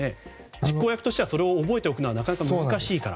実行役としてはそれを覚えておくのはなかなか難しいと。